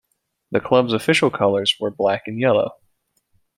The club's official colours were black and yellow.